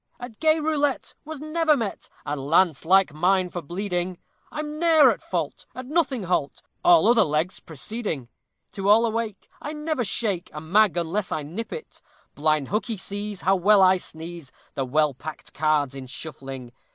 At gay roulette was never met A lance like mine for bleeding! I'm ne'er at fault, at nothing halt, All other legs preceding. To all awake, I never shake A mag unless I nip it. Blind hookey sees how well I squeeze The well packed cards in shuffling.